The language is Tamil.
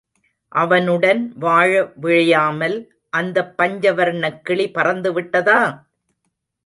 அவனுடன் வாழ விழையாமல் அந்தப் பஞ்சவர்ணக் கிளி பறந்துவிட்டதா?